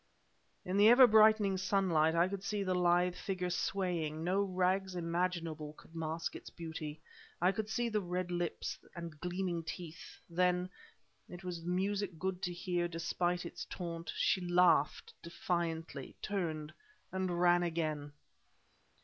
In the ever brightening sunlight I could see the lithe figure swaying; no rags imaginable could mask its beauty. I could see the red lips and gleaming teeth. Then and it was music good to hear, despite its taunt she laughed defiantly, turned, and ran again!